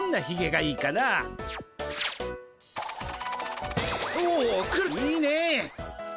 いいねっ！